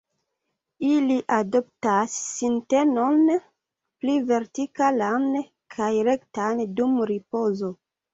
Ili adoptas sintenon pli vertikalan kaj rektan dum ripozo.